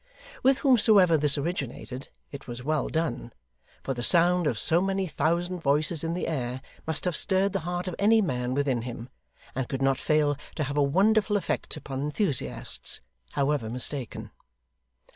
With whomsoever this originated, it was well done; for the sound of so many thousand voices in the air must have stirred the heart of any man within him, and could not fail to have a wonderful effect upon enthusiasts, however mistaken.